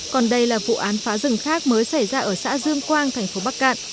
còn đây là vụ án phá rừng khác mới xảy ra ở xã dương quang thành phố bắc cạn